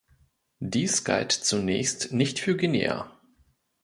Dies galt zunächst nicht für Guinea.